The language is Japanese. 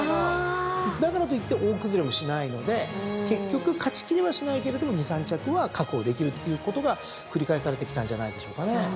だからといって大崩れもしないので結局勝ち切りはしないけれども２３着は確保できるっていうことが繰り返されてきたんじゃないでしょうかね。